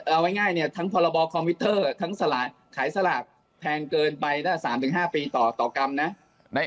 เอาง่ายเนี่ยทั้งพรบคอมพิวเตอร์ทั้งสลากขายสลากแพงเกินไปถ้า๓๕ปีต่อกรัมนะ